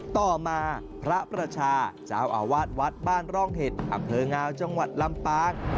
ต่อมาพระประชาเจ้าอาวาสวัดบ้านร่องเห็ดอำเภองาวจังหวัดลำปาง